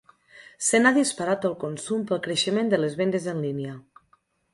Se n’ha disparat el consum pel creixement de les vendes en línia.